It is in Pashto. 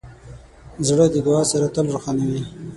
زړه د دعا سره تل روښانه وي.